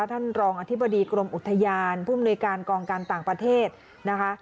ท่านรองอธิบดีกรมอุทยานผู้มนุยการกองการต่างประเทศนะคะ